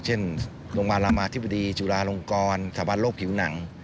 เช่นโรงพยาบาลรามาธิบดีจุฬาลงกรสถาบันโรคผิวหนัง